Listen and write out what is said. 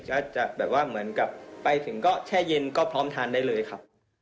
ก็จะแบบว่าเหมือนกับไปถึงก็แช่เย็นก็พร้อมทานได้เลยครับ